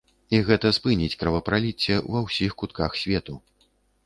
І гэта спыніць кровапраліцце ва ўсіх кутках свету!